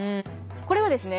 これはですね